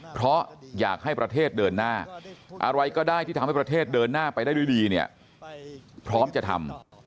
เพราะอยากให้ประเทศเดินหน้าอะไรก็ได้ที่ทำให้ประเทศเดินหน้าไปได้ด้วยดีเนี่ยพร้อมจะทำ